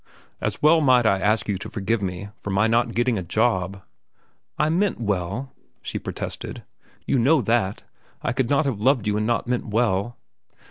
As well might I ask you to forgive me for my not getting a job." "I meant well," she protested. "You know that I could not have loved you and not meant well."